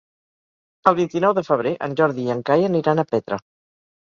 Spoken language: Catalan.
El vint-i-nou de febrer en Jordi i en Cai aniran a Petra.